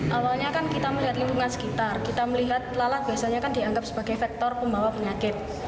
awalnya kan kita melihat lingkungan sekitar kita melihat lalat biasanya kan dianggap sebagai faktor pembawa penyakit